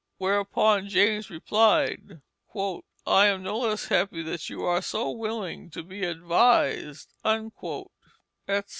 Whereupon James replied, "I am no less happy that you are so willing to be advised," etc.